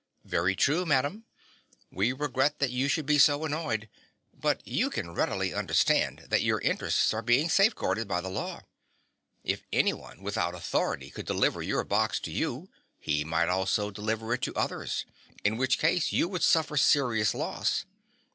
"Very true, madam. We regret that you should be so annoyed. But you can readily understand that your interests are being safeguarded by the law. If anyone, without authority, could deliver your box to you, he might also deliver it to others, in which case you would suffer serious loss.